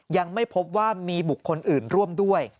ยังไม่พบว่ามีบุคคลอื่นร่วมด้วย